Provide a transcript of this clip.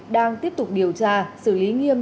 đang tiếp tục điều tra xử lý nghiêm